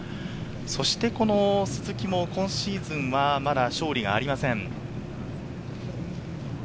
そして鈴木もまだ、今シーズンは勝利がありません。